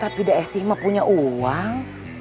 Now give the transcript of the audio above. tapi daesih mah punya uang